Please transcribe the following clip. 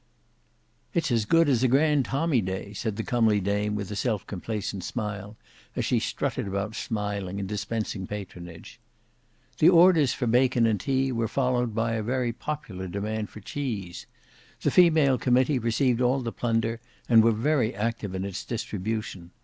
"It's as good as a grand tommy day," said the comely dame with a self complacent smile as she strutted about smiling and dispensing patronage. The orders for bacon and tea were followed by a very popular demand for cheese. The female committee received all the plunder and were very active in its distribution.